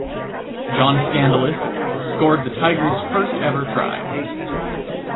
John Skandalis scored the Tigers' first ever try.